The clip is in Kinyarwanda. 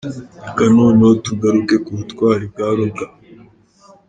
Reka noneho tugaruke ku butwari bwa Robwa.